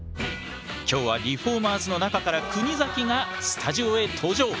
今日は「リフォーマーズ」の中から国崎がスタジオへ登場！